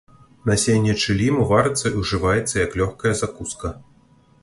Насенне чыліму варыцца і ўжываецца як лёгкая закуска.